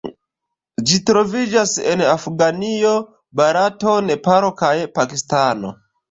Ĝi troviĝas en Afganio, Barato, Nepalo kaj Pakistano.